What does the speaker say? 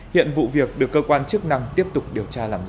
hiện vụ việc được cơ quan chức năng tiếp tục điều tra làm rõ